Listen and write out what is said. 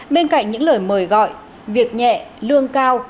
bên cạnh những lời mời gọi việc nhẹ lương cao